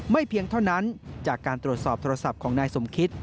เพียงเท่านั้นจากการตรวจสอบโทรศัพท์ของนายสมคิต